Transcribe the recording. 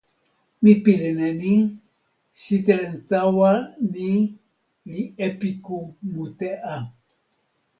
mi pilin e ni: sitelen tawa ni li epiku mute a!